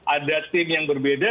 ada tim yang berbeda